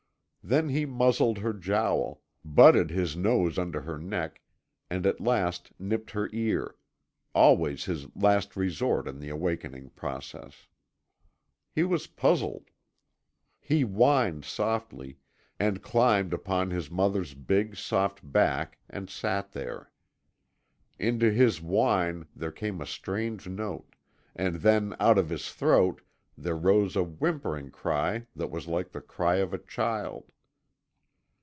Then he muzzled her jowl, butted his nose under her neck, and at last nipped her ear always his last resort in the awakening process. He was puzzled. He whined softly, and climbed upon his mother's big, soft back, and sat there. Into his whine there came a strange note, and then out of his throat there rose a whimpering cry that was like the cry of a child.